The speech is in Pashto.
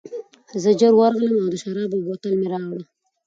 زه ژر ورغلم او د شرابو بوتل مې راوړ